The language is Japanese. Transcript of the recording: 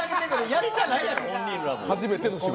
やりたくないやろ、本人たちも！